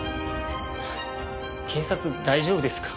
警察大丈夫ですか？